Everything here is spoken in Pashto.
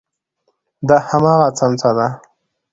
دا هماغه څمڅه ده.